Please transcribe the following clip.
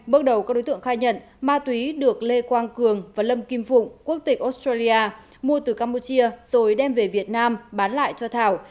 bước đầu các đối tượng khai nhận ma túy được lê quang cường và lâm kim phụng quốc tịch australia mua từ campuchia rồi đem về việt nam bán lại cho thảo